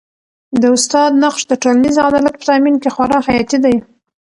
د استاد نقش د ټولنیز عدالت په تامین کي خورا حیاتي دی.